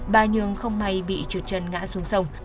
bà nhường không may bị trượt chân ngã xuống sông